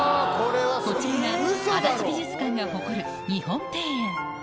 こちらが足立美術館が誇る日本庭園。